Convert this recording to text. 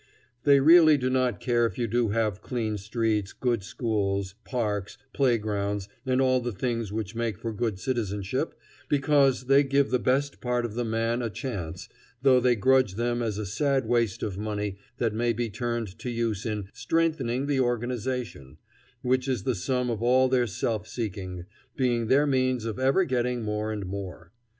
They really do not care if you do have clean streets, good schools, parks, playgrounds, and all the things which make for good citizenship because they give the best part of the man a chance, though they grudge them as a sad waste of money that might be turned to use in "strengthening the organization," which is the sum of all their self seeking, being their means of ever getting more and more.